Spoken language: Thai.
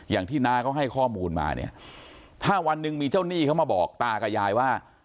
น้าเขาให้ข้อมูลมาเนี่ยถ้าวันหนึ่งมีเจ้าหนี้เขามาบอกตากับยายว่า